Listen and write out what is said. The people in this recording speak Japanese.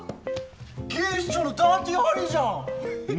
警視庁の「ダーティハリー」じゃん。何？